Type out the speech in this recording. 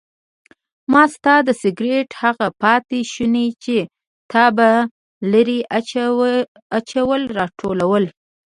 ما ستا د سګرټ هغه پاتې شوني چې تا به لرې اچول راټولول.